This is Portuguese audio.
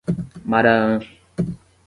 Maraã